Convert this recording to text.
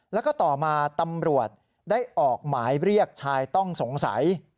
แล้วก็ต่อมาตำรวจได้ออกหมายเรียกชายต้องสงสัย